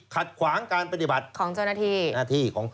๔ขัดขวางการปฏิบัติของเจ้าหน้าที่